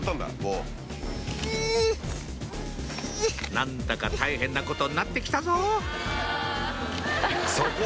何だか大変なことになって来たぞそこ？